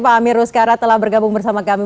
pak amir uskara telah bergabung bersama kami